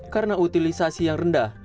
karena utilisasi yang rendah